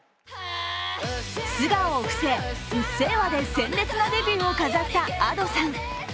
素顔を伏せ「うっせぇわ」で鮮烈なデビューを飾ったＡｄｏさん。